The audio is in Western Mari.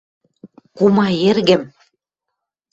– Кумаэргӹм!